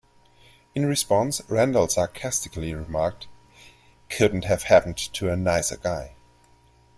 In response, Randall sarcastically remarked: Couldn't have happened to a nicer guy.